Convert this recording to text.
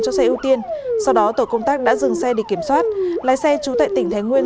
cho xe ưu tiên sau đó tổ công tác đã dừng xe để kiểm soát lái xe trú tại tỉnh thái nguyên